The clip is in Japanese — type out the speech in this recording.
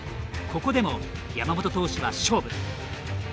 ここでも山本投手は勝負。